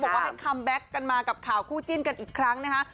บอกว่าให้คัมแบ็คกันมากับข่าวคู่จิ้นกันอีกครั้งนะคะ